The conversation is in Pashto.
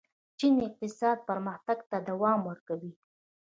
چین اقتصادي پرمختګ ته دوام ورکوي.